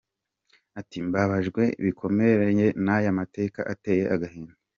Ati “Mbabajwe bikomeye n’aya mateka ateye agahinda! “.